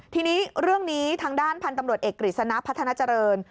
ทีนี้เรื่องนี้ทางด้านพันธุ์ตำรวจเอกกฤษณะพัฒนาเจริญ